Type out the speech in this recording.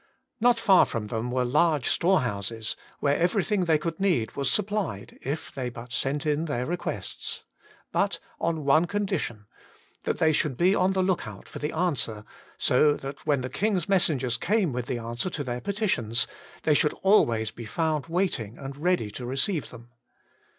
Not far from them were large store houses, where everything they could need was supplied if they but sent in their requests. But on one condition — that they should be on the outlook for the answer, so that when the king's messengers came with the answer to their petitions, they should always be found waiting and ready to receive them.